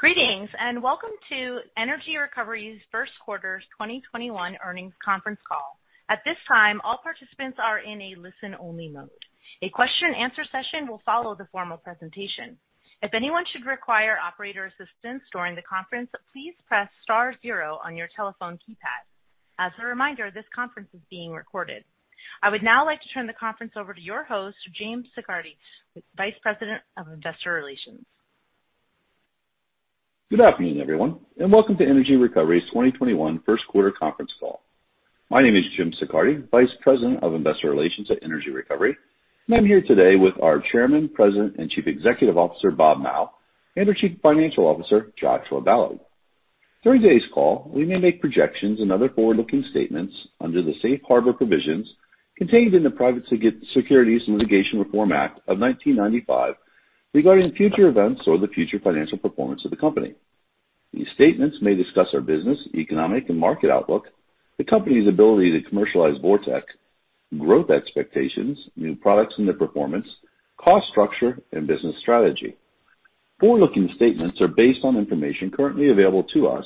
Greetings, and welcome to Energy Recovery's first quarter 2021 earnings conference call. At this time, all participants are in a listen-only mode. A question and answer session will follow the formal presentation. If anyone should require operator assistance during the conference, please press star zero on your telephone keypad. As a reminder, this conference is being recorded. I would now like to turn the conference over to your host, Jim Siccardi, Vice President of Investor Relations. Good afternoon, everyone, welcome to Energy Recovery's 2021 first quarter conference call. My name is Jim Siccardi, Vice President of Investor Relations at Energy Recovery, and I'm here today with our Chairman, President, and Chief Executive Officer, Bob Mao, and our Chief Financial Officer, Josh Ballard. During today's call, we may make projections and other forward-looking statements under the safe harbor provisions contained in the Private Securities Litigation Reform Act of 1995 regarding future events or the future financial performance of the company. These statements may discuss our business, economic, and market outlook, the company's ability to commercialize VorTeq, growth expectations, new products and their performance, cost structure, and business strategy. Forward-looking statements are based on information currently available to us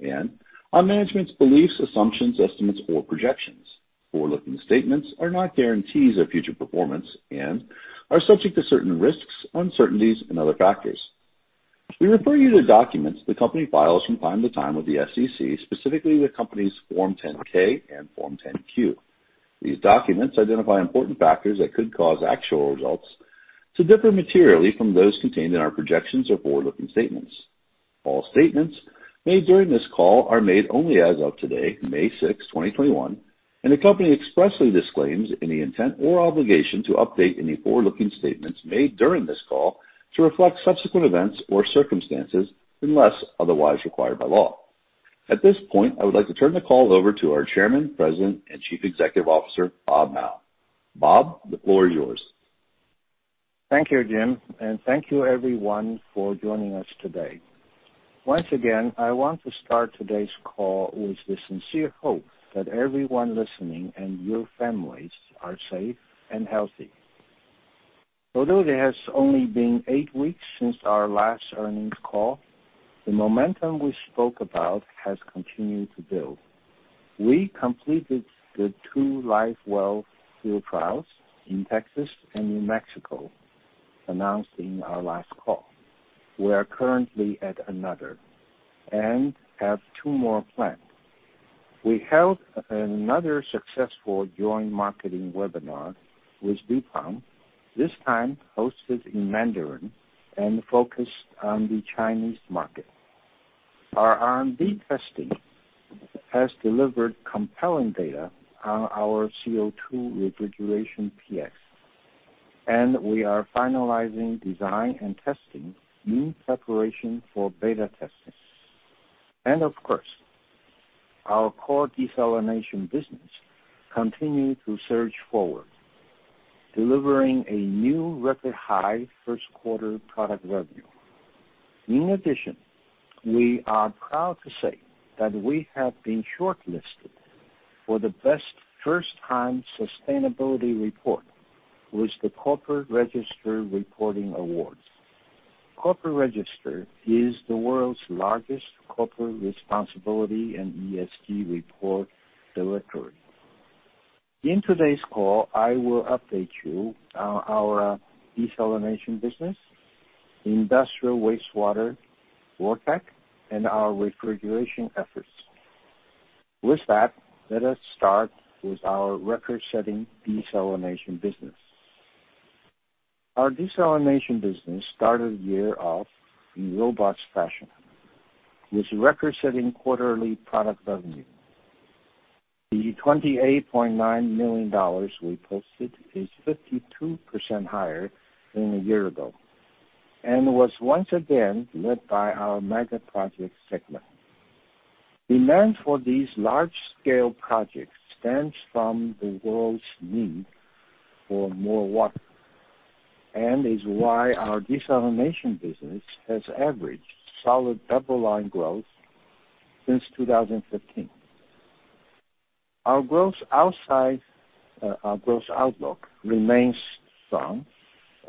and on management's beliefs, assumptions, estimates, or projections. Forward-looking statements are not guarantees of future performance and are subject to certain risks, uncertainties, and other factors. We refer you to documents the company files from time to time with the SEC, specifically the company's Form 10-K and Form 10-Q. These documents identify important factors that could cause actual results to differ materially from those contained in our projections or forward-looking statements. All statements made during this call are made only as of today, May 6, 2021, and the company expressly disclaims any intent or obligation to update any forward-looking statements made during this call to reflect subsequent events or circumstances unless otherwise required by law. At this point, I would like to turn the call over to our Chairman, President, and Chief Executive Officer, Bob Mao. Bob, the floor is yours. Thank you, Jim, and thank you everyone for joining us today. Once again, I want to start today's call with the sincere hope that everyone listening and your families are safe and healthy. Although there has only been eight weeks since our last earnings call, the momentum we spoke about has continued to build. We completed the two live well field trials in Texas and New Mexico announced in our last call. We are currently at another and have two more planned. We held another successful joint marketing webinar with DuPont, this time hosted in Mandarin and focused on the Chinese market. Our R&D testing has delivered compelling data on our CO2 Refrigeration PX, and we are finalizing design and testing in preparation for beta testing. Of course, our core desalination business continued to surge forward, delivering a new record-high first quarter product revenue. In addition, we are proud to say that we have been shortlisted for the best first-time sustainability report with the Corporate Register Reporting Awards. Corporate Register is the world's largest corporate responsibility and ESG report directory. In today's call, I will update you on our desalination business, industrial wastewater, VorTeq, and our refrigeration efforts. With that, let us start with our record-setting desalination business. Our desalination business started the year off in robust fashion, with record-setting quarterly product revenue. The $28.9 million we posted is 52% higher than a year ago and was once again led by our megaproject segment. Demand for these large-scale projects stems from the world's need for more water and is why our desalination business has averaged solid double-digit growth since 2015. Our growth outlook remains strong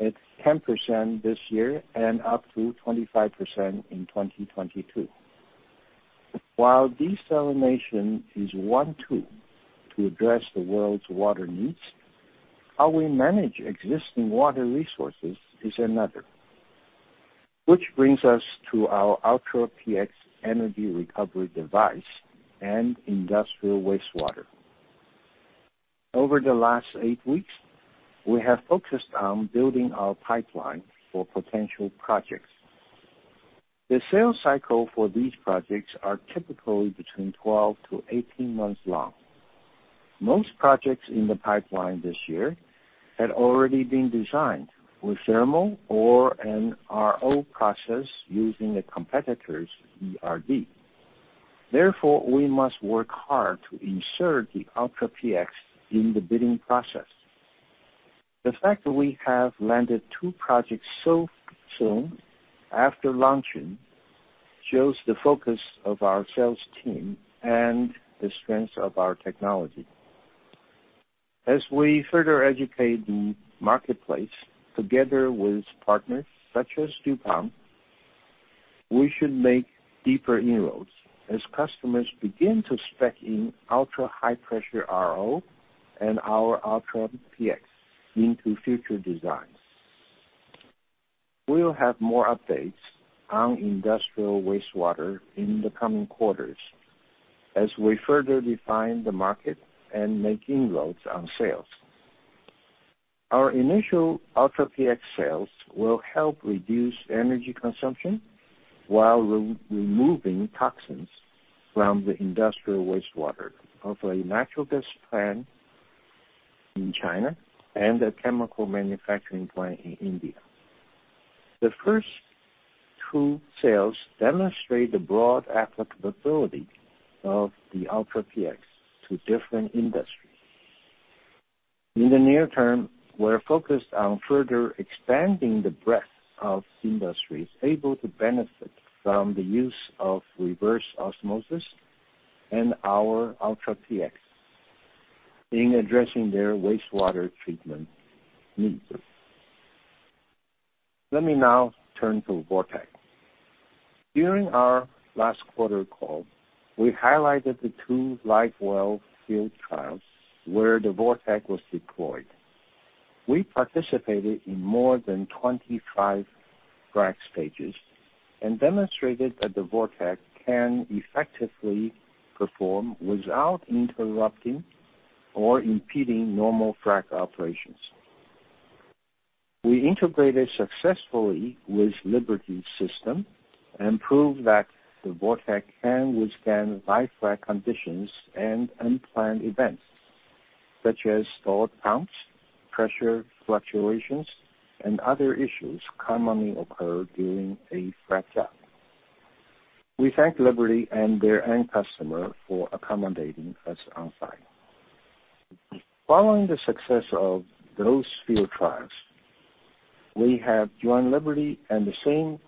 at 10% this year and up to 25% in 2022. While desalination is one tool to address the world's water needs, how we manage existing water resources is another, which brings us to our Ultra PX energy recovery device and industrial wastewater. Over the last eight weeks, we have focused on building our pipeline for potential projects. The sales cycle for these projects are typically between 12-18 months long. Most projects in the pipeline this year had already been designed with thermal or an RO process using a competitor's ERD. Therefore, we must work hard to insert the Ultra PX in the bidding process. The fact that we have landed two projects so soon after launching shows the focus of our sales team and the strength of our technology. As we further educate the marketplace together with partners such as DuPont, we should make deeper inroads as customers begin to spec in ultra-high pressure RO and our Ultra PX into future designs. We'll have more updates on industrial wastewater in the coming quarters as we further define the market and make inroads on sales. Our initial Ultra PX sales will help reduce energy consumption while removing toxins from the industrial wastewater of a natural gas plant in China and a chemical manufacturing plant in India. The first two sales demonstrate the broad applicability of the Ultra PX to different industries. In the near term, we're focused on further expanding the breadth of industries able to benefit from the use of reverse osmosis and our Ultra PX in addressing their wastewater treatment needs. Let me now turn to VorTeq. During our last quarter call, we highlighted the two live well field trials where the VorTeq was deployed. We participated in more than 25 frac stages and demonstrated that the VorTeq can effectively perform without interrupting or impeding normal frac operations. We integrated successfully with Liberty's system and proved that the VorTeq can withstand live frac conditions and unplanned events such as stall counts, pressure fluctuations, and other issues commonly occur during a frac job. We thank Liberty and their end customer for accommodating us on site. Following the success of those field trials, we have joined Liberty and the same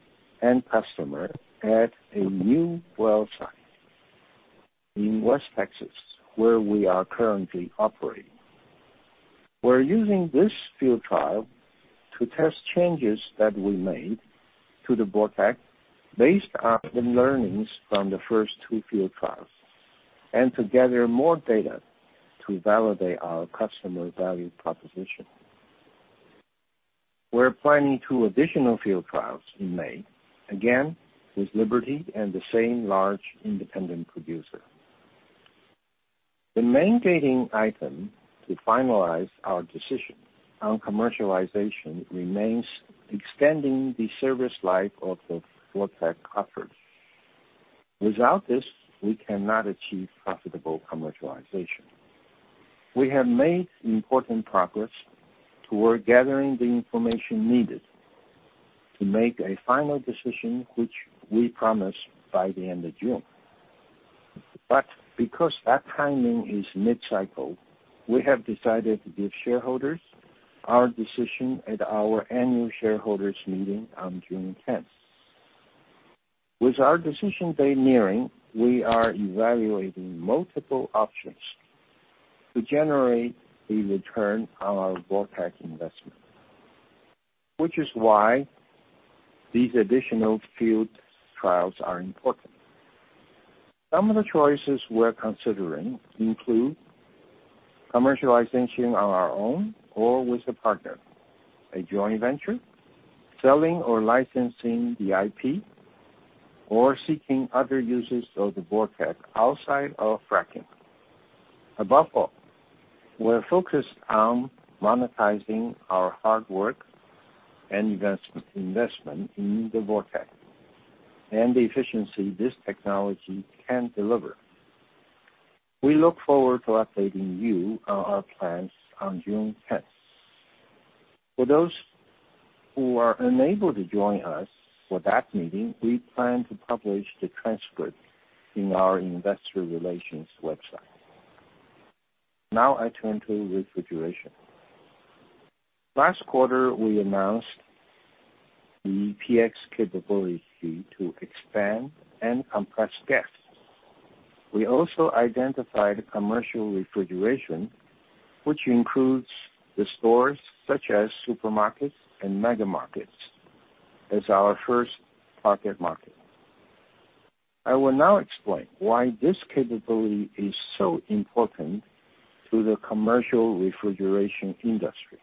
end customer at a new well site in West Texas where we are currently operating. We're using this field trial to test changes that we made to the VorTeq based on the learnings from the first two field trials, and to gather more data to validate our customer value proposition. We're planning two additional field trials in May, again with Liberty and the same large independent producer. The main gating item to finalize our decision on commercialization remains extending the service life of the VorTeq cover. Without this, we cannot achieve profitable commercialization. We have made important progress toward gathering the information needed to make a final decision, which we promise by the end of June. Because that timing is mid-cycle, we have decided to give shareholders our decision at our annual shareholders meeting on June 10th. With our decision day nearing, we are evaluating multiple options to generate a return on our VorTeq investment, which is why these additional field trials are important. Some of the choices we're considering include commercializing on our own or with a partner, a joint venture, selling or licensing the IP, or seeking other uses of the VorTeq outside of fracking. Above all, we're focused on monetizing our hard work and investment in the VorTeq and the efficiency this technology can deliver. We look forward to updating you on our plans on June 10th. For those who are unable to join us for that meeting, we plan to publish the transcript in our investor relations website. I turn to refrigeration. Last quarter, we announced the PX capability to expand and compress gas. We also identified commercial refrigeration, which includes the stores such as supermarkets and mega markets, as our first target market. I will now explain why this capability is so important to the commercial refrigeration industry.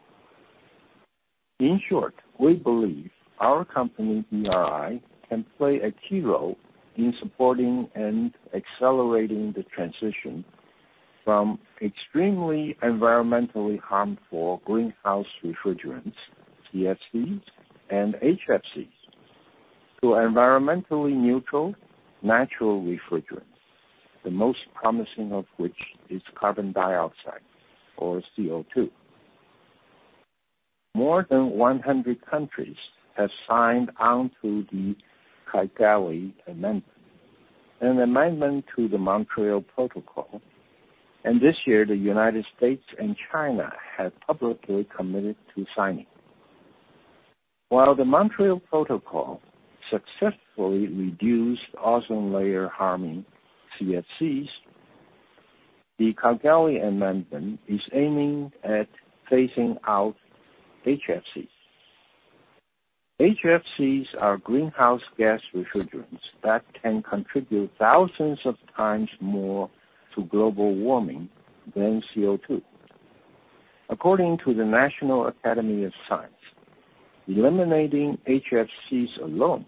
In short, we believe our company, ERI, can play a key role in supporting and accelerating the transition from extremely environmentally harmful greenhouse refrigerants, CFCs and HFCs, to environmentally neutral natural refrigerants, the most promising of which is carbon dioxide, or CO2. More than 100 countries have signed on to the Kigali Amendment, an amendment to the Montreal Protocol. This year, the U.S. and China have publicly committed to signing. While the Montreal Protocol successfully reduced ozone layer-harming CFCs, the Kigali Amendment is aiming at phasing out HFCs. HFCs are greenhouse gas refrigerants that can contribute thousands of times more to global warming than CO2. According to the National Academy of Sciences, eliminating HFCs alone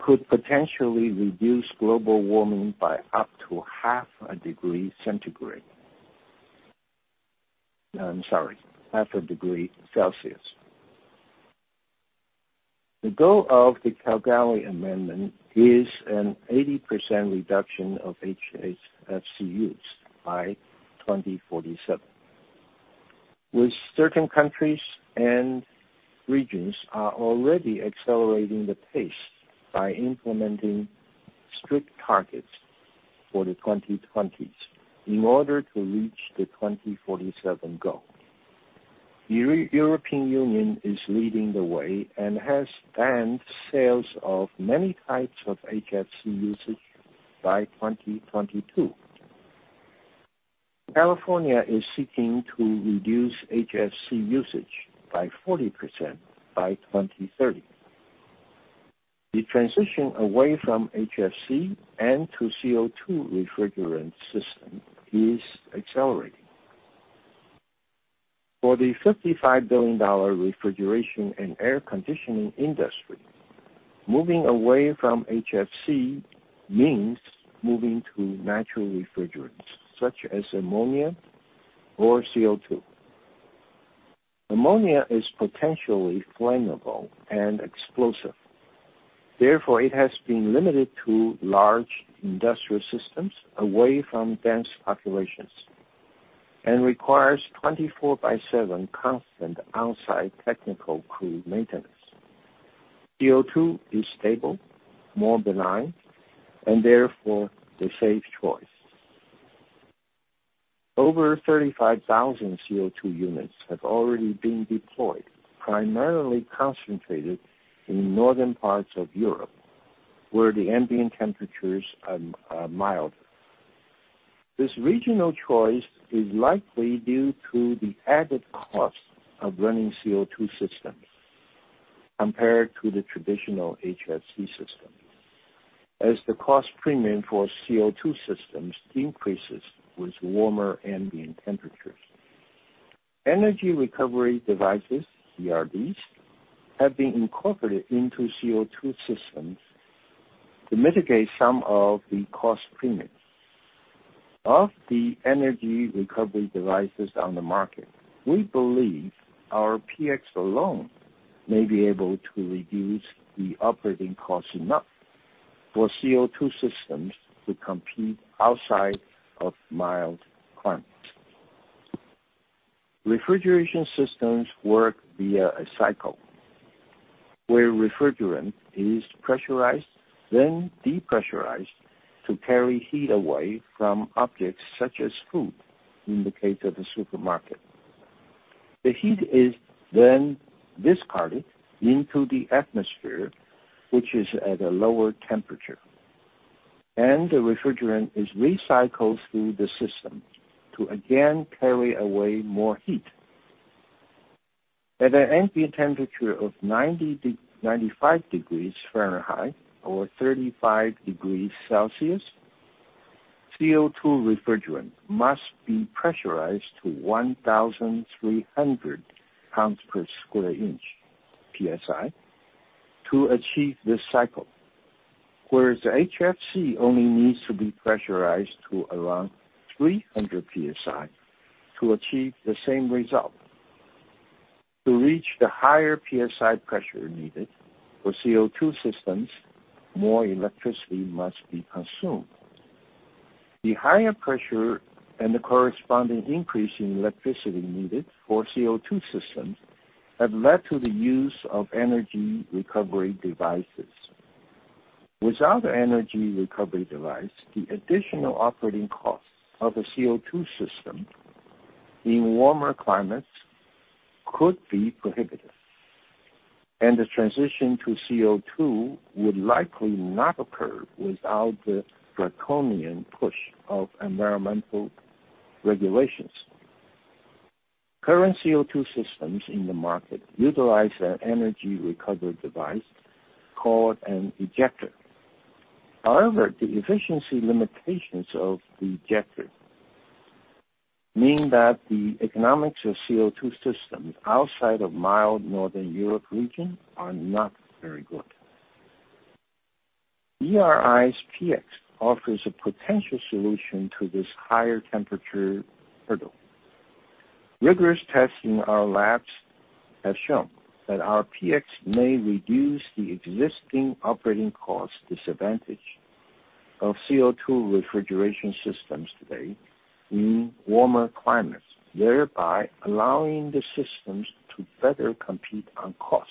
could potentially reduce global warming by up to half a degree Celsius. The goal of the Kigali Amendment is an 80% reduction of HFC use by 2047. With certain countries and regions are already accelerating the pace by implementing strict targets for the 2020s in order to reach the 2047 goal. European Union is leading the way and has banned sales of many types of HFC usage by 2022. California is seeking to reduce HFC usage by 40% by 2030. The transition away from HFC and to CO2 refrigerant system is accelerating. For the $55 billion refrigeration and air conditioning industry, moving away from HFC means moving to natural refrigerants, such as ammonia or CO2. Ammonia is potentially flammable and explosive. Therefore, it has been limited to large industrial systems away from dense populations and requires 24/7 constant on-site technical crew maintenance. CO2 is stable, more benign, and therefore the safe choice. Over 35,000 CO2 units have already been deployed, primarily concentrated in northern parts of Europe, where the ambient temperatures are mild. This regional choice is likely due to the added cost of running CO2 systems compared to the traditional HFC systems, as the cost premium for CO2 systems increases with warmer ambient temperatures. Energy recovery devices, ERDs, have been incorporated into CO2 systems to mitigate some of the cost premiums. Of the energy recovery devices on the market, we believe our PX alone may be able to reduce the operating cost enough for CO2 systems to compete outside of mild climates. Refrigeration systems work via a cycle where refrigerant is pressurized, then depressurized to carry heat away from objects such as food, in the case of a supermarket. The heat is then discarded into the atmosphere, which is at a lower temperature, and the refrigerant is recycled through the system to again carry away more heat. At an ambient temperature of 95 degrees Fahrenheit or 35 degrees Celsius, CO2 refrigerant must be pressurized to 1,300 pounds per square inch, PSI, to achieve this cycle, whereas the HFC only needs to be pressurized to around 300 PSI to achieve the same result. To reach the higher PSI pressure needed for CO2 systems, more electricity must be consumed. The higher pressure and the corresponding increase in electricity needed for CO2 systems have led to the use of energy recovery devices. Without the energy recovery device, the additional operating costs of a CO2 system in warmer climates could be prohibitive, and the transition to CO2 would likely not occur without the draconian push of environmental regulations. Current CO2 systems in the market utilize an energy recovery device called an ejector. However, the efficiency limitations of the ejector mean that the economics of CO2 systems outside of mild northern Europe region are not very good. ERI's PX offers a potential solution to this higher temperature hurdle. Rigorous testing in our labs has shown that our PX may reduce the existing operating cost disadvantage of CO2 refrigeration systems today in warmer climates, thereby allowing the systems to better compete on cost.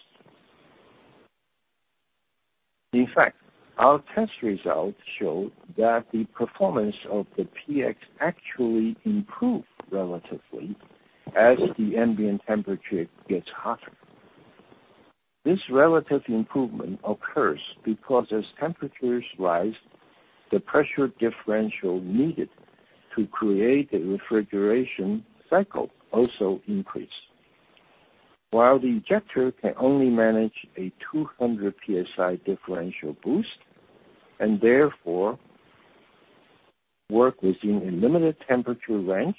In fact, our test results show that the performance of the PX actually improved relatively as the ambient temperature gets hotter. This relative improvement occurs because as temperatures rise, the pressure differential needed to create a refrigeration cycle also increase. While the ejector can only manage a 200 PSI differential boost, and therefore work within a limited temperature range,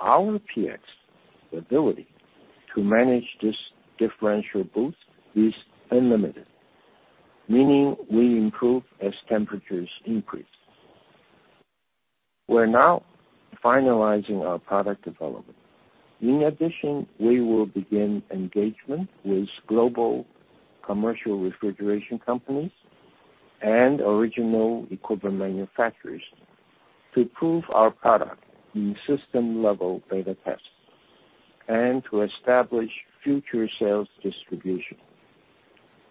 our PX ability to manage this differential boost is unlimited, meaning we improve as temperatures increase. We're now finalizing our product development. In addition, we will begin engagement with global commercial refrigeration companies and original equipment manufacturers to prove our product in system-level beta tests and to establish future sales distribution.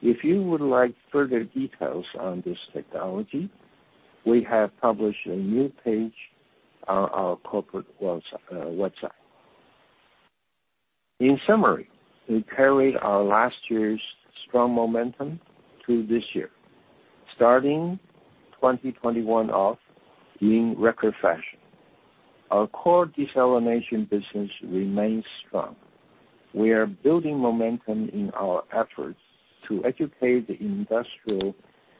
If you would like further details on this technology, we have published a new page on our corporate website. In summary, we carried our last year's strong momentum to this year, starting 2021 off in record fashion. Our core desalination business remains strong. We are building momentum in our efforts to educate the industrial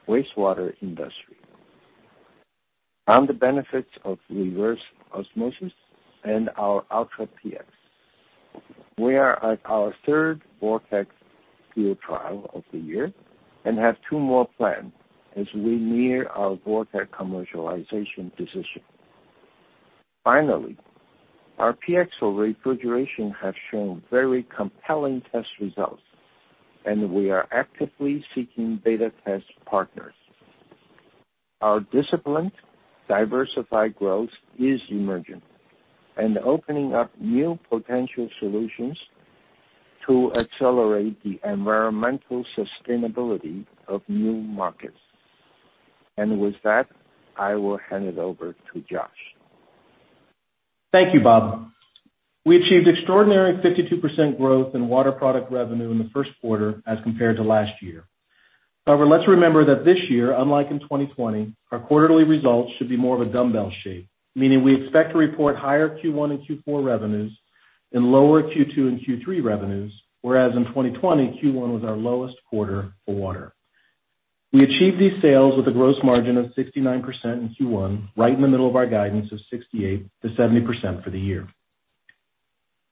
wastewater industry on the benefits of reverse osmosis and our Ultra PX. We are at our third VorTeq field trial of the year and have two more planned as we near our VorTeq commercialization decision. Our PX for refrigeration has shown very compelling test results, and we are actively seeking beta test partners. Our disciplined, diversified growth is emerging and opening up new potential solutions to accelerate the environmental sustainability of new markets. With that, I will hand it over to Josh. Thank you, Bob. We achieved extraordinary 52% growth in water product revenue in the first quarter as compared to last year. However, let's remember that this year, unlike in 2020, our quarterly results should be more of a dumbbell shape, meaning we expect to report higher Q1 and Q4 revenues and lower Q2 and Q3 revenues, whereas in 2020, Q1 was our lowest quarter for water. We achieved these sales with a gross margin of 69% in Q1, right in the middle of our guidance of 68%-70% for the year.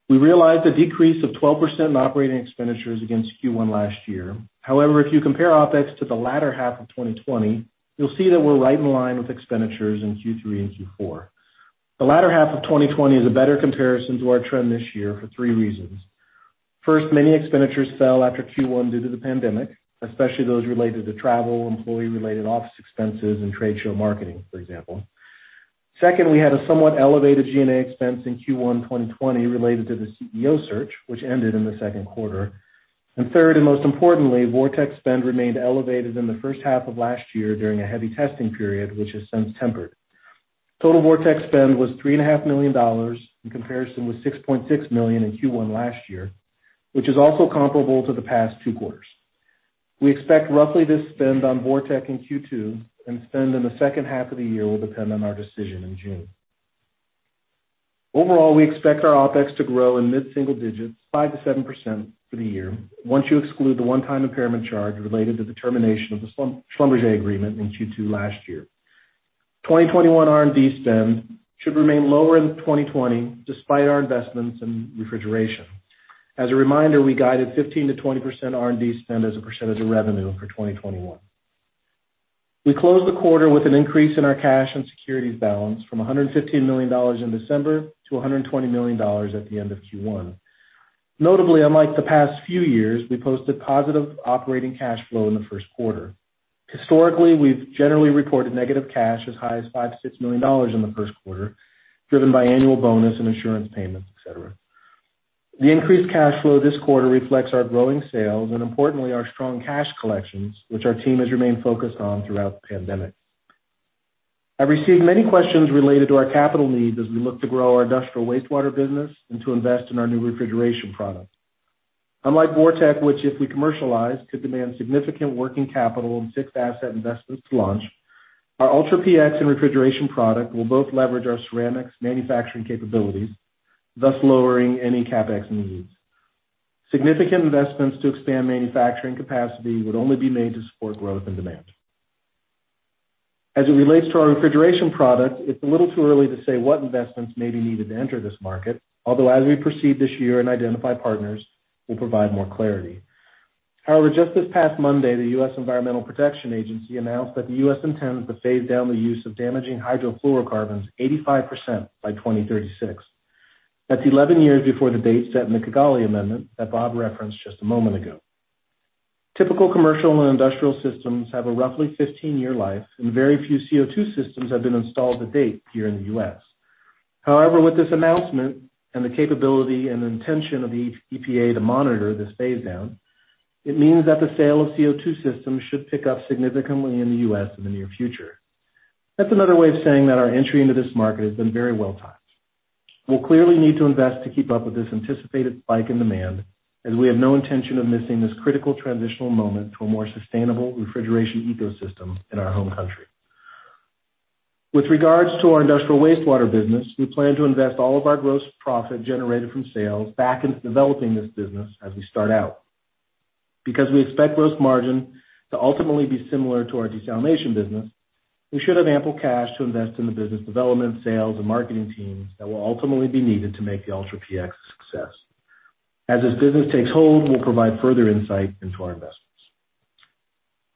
We realized a decrease of 12% in operating expenditures against Q1 last year. However, if you compare OpEx to the latter half of 2020, you'll see that we're right in line with expenditures in Q3 and Q4. The latter half of 2020 is a better comparison to our trend this year for three reasons. First, many expenditures fell after Q1 due to the pandemic, especially those related to travel, employee-related office expenses, and trade show marketing, for example. Second, we had a somewhat elevated G&A expense in Q1 2020 related to the CEO search, which ended in the second quarter. Third, and most importantly, VorTeq spend remained elevated in the first half of last year during a heavy testing period, which has since tempered. Total VorTeq spend was $3.5 million in comparison with $6.6 million in Q1 last year, which is also comparable to the past two quarters. We expect roughly this spend on VorTeq in Q2 and spend in the second half of the year will depend on our decision in June. Overall, we expect our OpEx to grow in mid-single digits, 5%-7% for the year, once you exclude the one-time impairment charge related to the termination of the Schlumberger agreement in Q2 last year. 2021 R&D spend should remain lower than 2020 despite our investments in refrigeration. As a reminder, we guided 15%-20% R&D spend as a percentage of revenue for 2021. We closed the quarter with an increase in our cash and securities balance from $115 million in December to $120 million at the end of Q1. Notably, unlike the past few years, we posted positive operating cash flow in the first quarter. Historically, we've generally reported negative cash as high as $5 million-$6 million in the first quarter, driven by annual bonus and insurance payments, et cetera. The increased cash flow this quarter reflects our growing sales and importantly, our strong cash collections, which our team has remained focused on throughout the pandemic. I've received many questions related to our capital needs as we look to grow our industrial wastewater business and to invest in our new refrigeration product. Unlike VorTeq, which if we commercialize, could demand significant working capital and fixed asset investments to launch, our Ultra PX and refrigeration product will both leverage our ceramics manufacturing capabilities, thus lowering any CapEx needs. Significant investments to expand manufacturing capacity would only be made to support growth and demand. As it relates to our refrigeration product, it's a little too early to say what investments may be needed to enter this market, although as we proceed this year and identify partners, we'll provide more clarity. Just this past Monday, the U.S. Environmental Protection Agency announced that the U.S. intends to phase down the use of damaging hydrofluorocarbons 85% by 2036. That's 11 years before the date set in the Kigali Amendment that Robert Mao referenced just a moment ago. Typical commercial and industrial systems have a roughly 15-year life, and very few CO2 systems have been installed to date here in the U.S. However, with this announcement and the capability and intention of the EPA to monitor this phase-down, it means that the sale of CO2 systems should pick up significantly in the U.S. in the near future. That's another way of saying that our entry into this market has been very well-timed. We'll clearly need to invest to keep up with this anticipated spike in demand, as we have no intention of missing this critical transitional moment to a more sustainable refrigeration ecosystem in our home country. With regards to our industrial wastewater business, we plan to invest all of our gross profit generated from sales back into developing this business as we start out. Because we expect gross margin to ultimately be similar to our desalination business, we should have ample cash to invest in the business development, sales, and marketing teams that will ultimately be needed to make the Ultra PX a success. As this business takes hold, we'll provide further insight into our investments.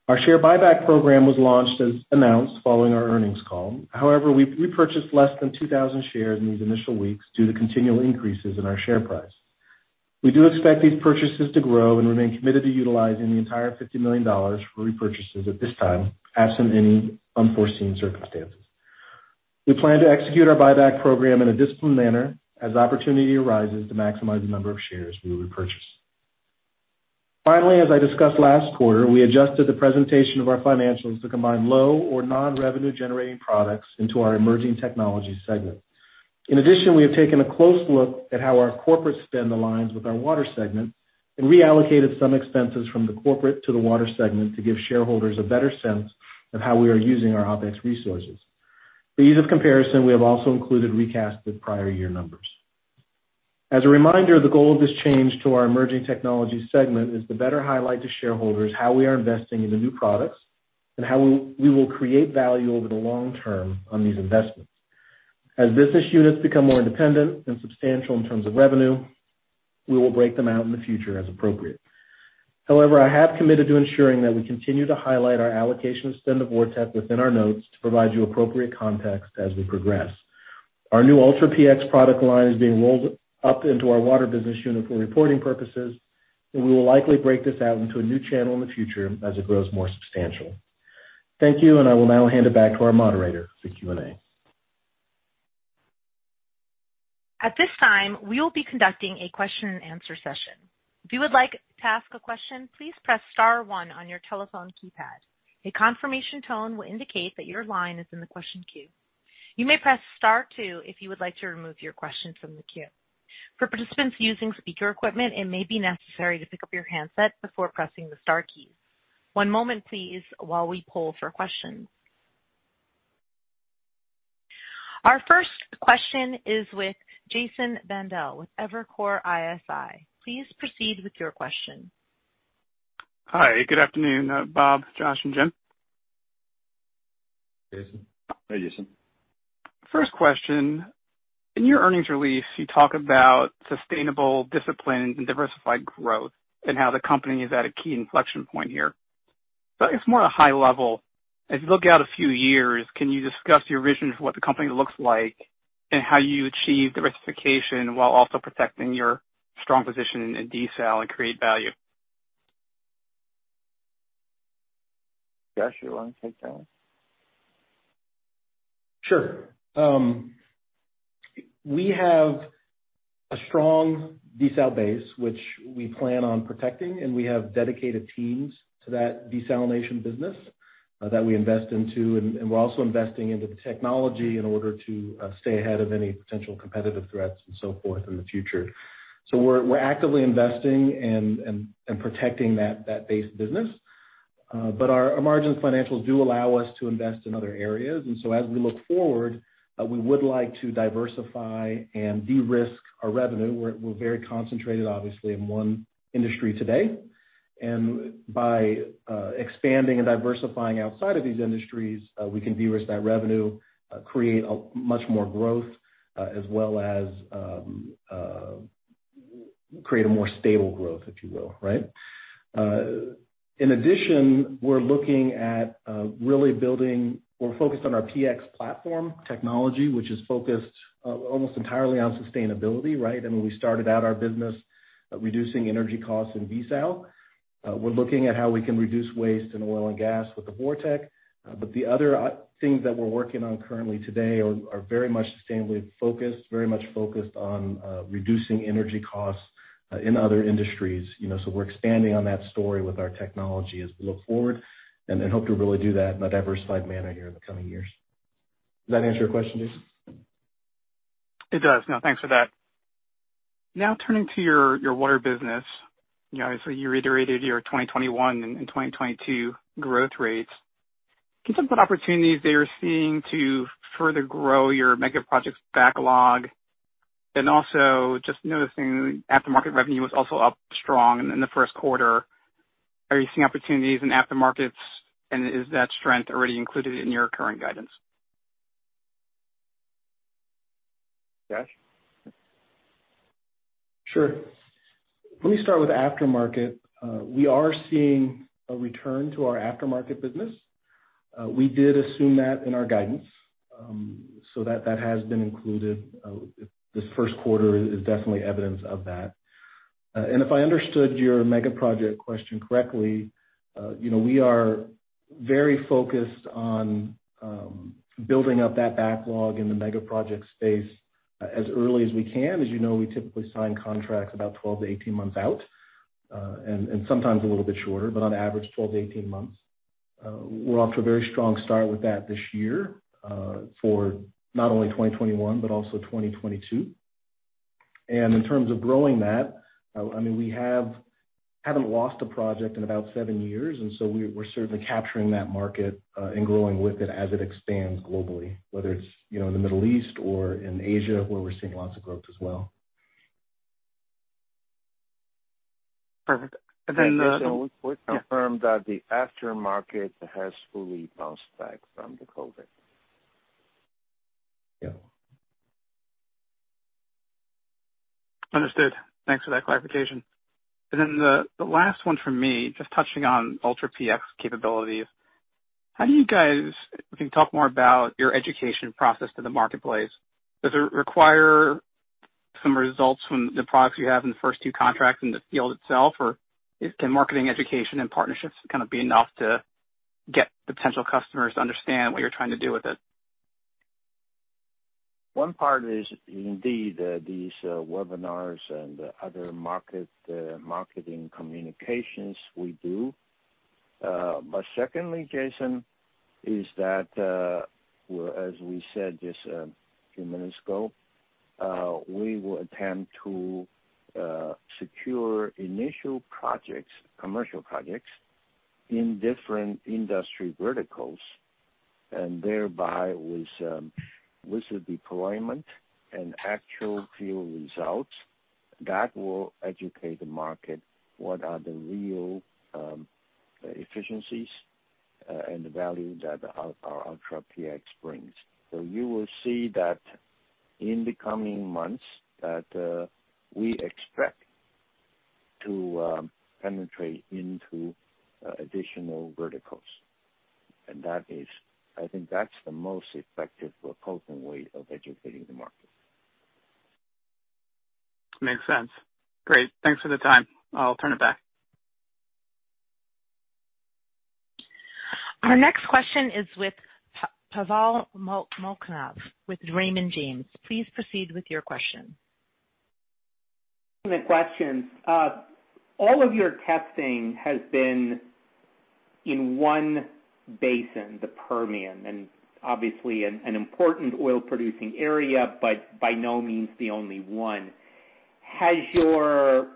Our share buyback program was launched as announced following our earnings call. However, we purchased less than 2,000 shares in these initial weeks due to continual increases in our share price. We do expect these purchases to grow and remain committed to utilizing the entire $50 million for repurchases at this time, absent any unforeseen circumstances. We plan to execute our buyback program in a disciplined manner as opportunity arises to maximize the number of shares we will repurchase. Finally, as I discussed last quarter, we adjusted the presentation of our financials to combine low or non-revenue generating products into our emerging technology segment. In addition, we have taken a close look at how our corporate spend aligns with our water segment and reallocated some expenses from the corporate to the water segment to give shareholders a better sense of how we are using our OpEx resources. For ease of comparison, we have also included recasted prior year numbers. As a reminder, the goal of this change to our emerging technologies segment is to better highlight to shareholders how we are investing in the new products and how we will create value over the long term on these investments. As business units become more independent and substantial in terms of revenue, we will break them out in the future as appropriate. However, I have committed to ensuring that we continue to highlight our allocation of spend of VorTeq within our notes to provide you appropriate context as we progress. Our new Ultra PX product line is being rolled up into our water business unit for reporting purposes. We will likely break this out into a new channel in the future as it grows more substantial. Thank you. I will now hand it back to our moderator for Q&A. At this time, we will be conducting a question and answer session. If you would like to ask a question, please press star one on your telephone keypad. A confirmation tone will indicate that your line is in the question queue. You may press star two if you would like to remove your questions from the queue. For participants using speaker equipment, it may be necessary to pick up your handset before pressing the star key. One moment, please, while we hold for questions. Our first question is with Jason Bandel with Evercore ISI. Please proceed with your question. Hi. Good afternoon, Bob, Josh, and Jim. Jason. Hey, Jason. First question. In your earnings release, you talk about sustainable discipline and diversified growth and how the company is at a key inflection point here. It's more a high level. As you look out a few years, can you discuss your vision for what the company looks like and how you achieve diversification while also protecting your strong position in desal and create value? Josh, do you want to take that one? Sure. We have a strong desal base, which we plan on protecting, and we have dedicated teams to that desalination business that we invest into, and we're also investing into the technology in order to stay ahead of any potential competitive threats and so forth in the future. We're actively investing and protecting that base business. Our margin financials do allow us to invest in other areas, and so as we look forward, we would like to diversify and de-risk our revenue. We're very concentrated, obviously, in one industry today. By expanding and diversifying outside of these industries, we can de-risk that revenue, create much more growth, as well as create a more stable growth, if you will. Right? In addition, we're focused on our PX platform technology, which is focused almost entirely on sustainability, right? I mean, we started out our business reducing energy costs in desal. We're looking at how we can reduce waste in oil and gas with the VorTeq. The other things that we're working on currently today are very much sustainably focused, very much focused on reducing energy costs in other industries. We're expanding on that story with our technology as we look forward and hope to really do that in a diversified manner here in the coming years. Does that answer your question, Jason? It does. No, thanks for that. Now turning to your water business. Obviously, you reiterated your 2021 and 2022 growth rates. Can you talk about opportunities that you're seeing to further grow your mega projects backlog? Also, just noticing aftermarket revenue was also up strong in the first quarter. Are you seeing opportunities in aftermarkets, is that strength already included in your current guidance? Josh? Sure. Let me start with aftermarket. We are seeing a return to our aftermarket business. We did assume that in our guidance, so that has been included. This first quarter is definitely evidence of that. If I understood your megaproject question correctly, we are very focused on building up that backlog in the megaproject space as early as we can. As you know, we typically sign contracts about 12-18 months out, and sometimes a little bit shorter, but on average, 12-18 months. We're off to a very strong start with that this year for not only 2021 but also 2022. In terms of growing that, we haven't lost a project in about seven years, and so we're certainly capturing that market and growing with it as it expands globally, whether it's in the Middle East or in Asia, where we're seeing lots of growth as well. Perfect. Jason, we confirm that the aftermarket has fully bounced back from the COVID. Yeah. Understood. Thanks for that clarification. The last one from me, just touching on Ultra PX capabilities. How do you guys, if you can talk more about your education process to the marketplace, does it require some results from the products you have in the first two contracts in the field itself, or can marketing education and partnerships be enough to get potential customers to understand what you're trying to do with it? One part is indeed these webinars and other marketing communications we do. Secondly, Jason, is that, as we said just a few minutes ago, we will attempt to secure initial projects, commercial projects, in different industry verticals, and thereby with deployment and actual field results, that will educate the market what are the real efficiencies, and the value that our Ultra PX brings. You will see that in the coming months that we expect to penetrate into additional verticals. That is, I think, that's the most effective proposal way of educating the market. Makes sense. Great. Thanks for the time. I'll turn it back. Our next question is with Pavel Molchanov, with Raymond James. Please proceed with your question. The questions. All of your testing has been in one basin, the Permian, and obviously an important oil-producing area, but by no means the only one. Has your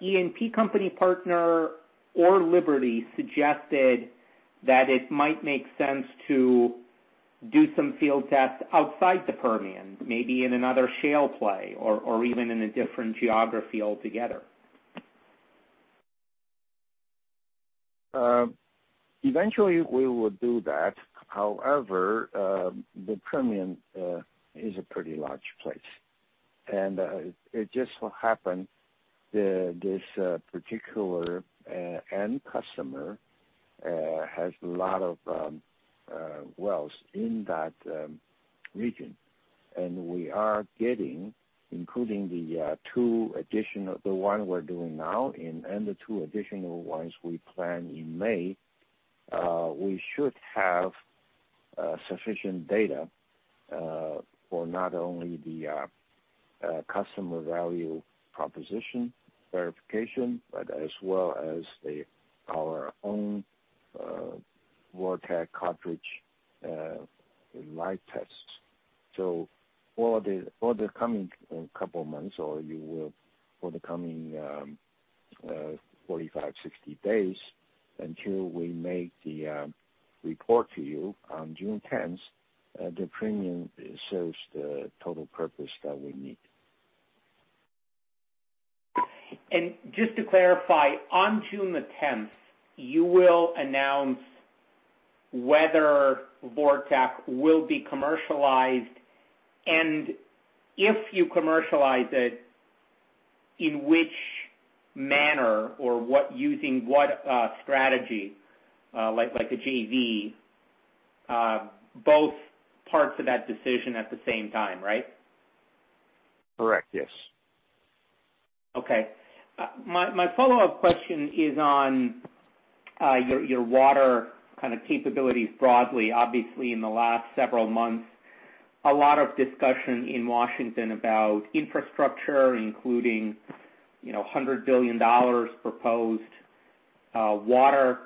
E&P company partner or Liberty suggested that it might make sense to do some field tests outside the Permian, maybe in another shale play or even in a different geography altogether? Eventually, we will do that. However, the Permian is a pretty large place. It just so happened this particular end customer has a lot of wells in that region. We are getting, including the one we're doing now and the two additional ones we plan in May, we should have sufficient data for not only the customer value proposition verification, but as well as our own VorTeq cartridge live tests. For the coming couple of months, or for the coming 45, 60 days, until we make the report to you on June 10th, the Permian serves the total purpose that we need. Just to clarify, on June the 10th, you will announce whether VorTeq will be commercialized, and if you commercialize it, in which manner or using what strategy, like a JV, both parts of that decision at the same time, right? Correct. Yes. Okay. My follow-up question is on your water capabilities broadly. Obviously, in the last several months, a lot of discussion in Washington about infrastructure, including $100 billion proposed water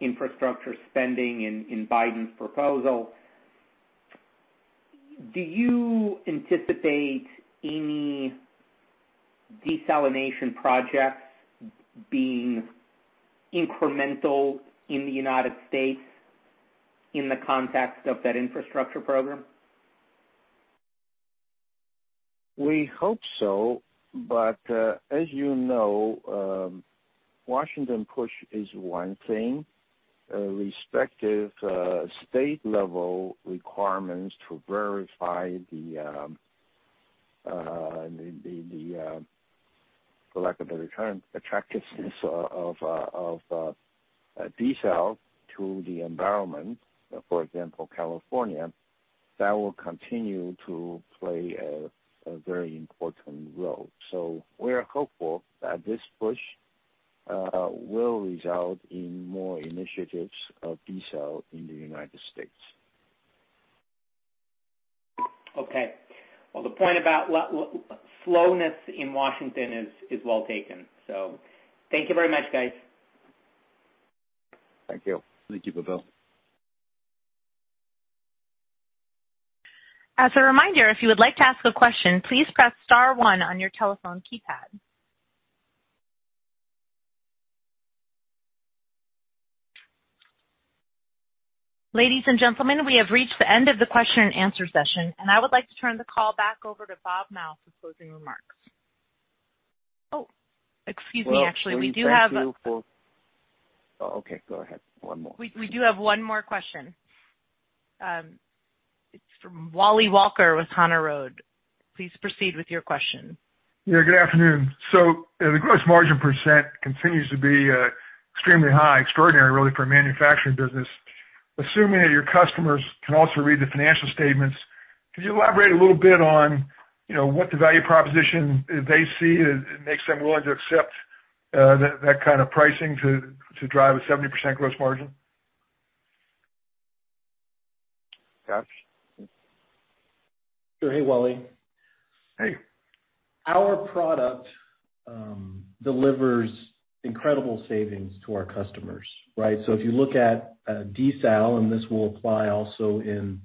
infrastructure spending in Biden's proposal. Do you anticipate any desalination projects being incremental in the U.S. in the context of that infrastructure program? We hope so, but as you know, Washington push is one thing. Respective state-level requirements to verify the, for lack of a better term, attractiveness of desal to the environment, for example, California, that will continue to play a very important role. We are hopeful that this push will result in more initiatives of desal in the U.S. Okay. Well, the point about slowness in Washington is well taken. Thank you very much, guys. Thank you. Thank you, Pavel. As a reminder, if you would like to ask a question, please press star one on your telephone keypad. Ladies and gentlemen, we have reached the end of the question and answer session. I would like to turn the call back over to Bob Mao for closing remarks. Excuse me. Actually, we do have Well, thank you. Oh, okay, go ahead. One more. We do have one more question. It's from Wally Walker with Hana Road. Please proceed with your question. Yeah, good afternoon. The gross margin % continues to be extremely high. Extraordinary, really, for a manufacturing business. Assuming that your customers can also read the financial statements, could you elaborate a little bit on what the value proposition they see that makes them willing to accept that kind of pricing to drive a 70% gross margin? Josh? Sure. Hey, Wally. Hey. Our product delivers incredible savings to our customers, right? If you look at desal, and this will apply also in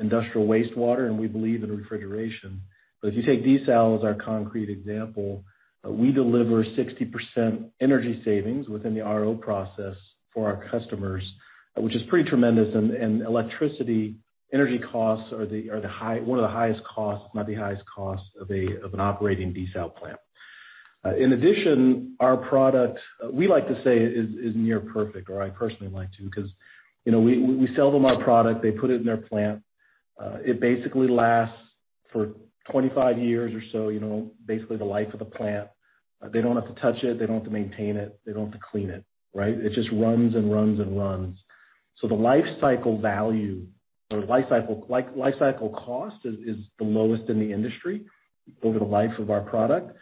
industrial wastewater, and we believe in refrigeration. If you take desal as our concrete example, we deliver 60% energy savings within the RO process for our customers, which is pretty tremendous. Electricity, energy costs are one of the highest costs, might be the highest cost of an operating desal plant. In addition, our product, we like to say, is near perfect, or I personally like to because we sell them our product, they put it in their plant. It basically lasts for 25 years or so, basically the life of the plant. They don't have to touch it. They don't have to maintain it. They don't have to clean it. Right? It just runs and runs and runs. The life cycle cost is the lowest in the industry over the life of our product.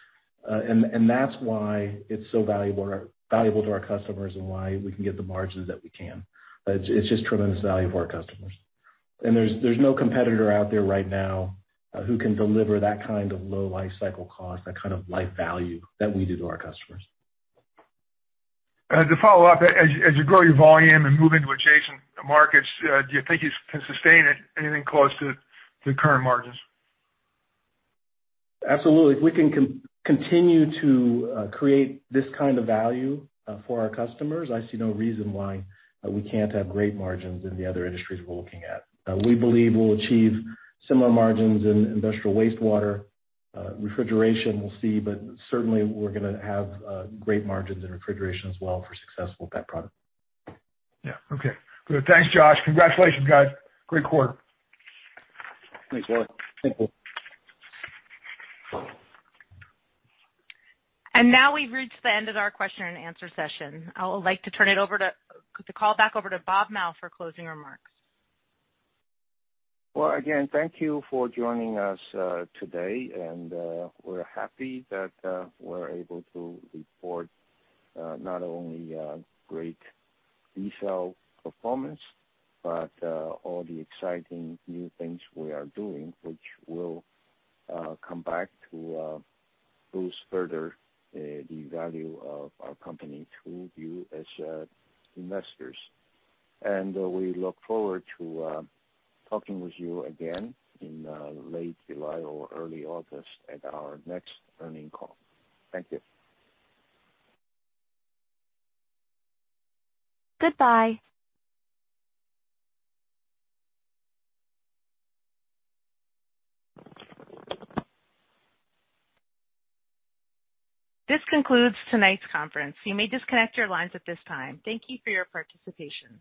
That's why it's so valuable to our customers and why we can get the margins that we can. It's just tremendous value for our customers. There's no competitor out there right now who can deliver that kind of low life cycle cost, that kind of life value that we do to our customers. To follow up, as you grow your volume and move into adjacent markets, do you think you can sustain anything close to the current margins? Absolutely. If we can continue to create this kind of value for our customers, I see no reason why we can't have great margins in the other industries we're looking at. We believe we'll achieve similar margins in industrial wastewater. Refrigeration, we'll see, but certainly we're going to have great margins in refrigeration as well if we're successful with that product. Yeah. Okay, good. Thanks, Josh. Congratulations, guys. Great quarter. Thanks, Wally. Thank you. Now we've reached the end of our question and answer session. I would like to turn the call back over to Bob Mao for closing remarks. Well, again, thank you for joining us today. We're happy that we're able to report not only great desal performance, but all the exciting new things we are doing, which will come back to boost further the value of our company to you as investors. We look forward to talking with you again in late July or early August at our next earnings call. Thank you. Goodbye. This concludes tonight's conference. You may disconnect your lines at this time. Thank you for your participation.